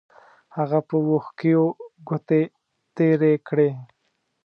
هغه په وښکیو ګوتې تېرې کړې.